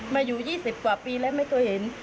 มาอยู่๒๐กว่าปีแล้วไม่เคยเห็น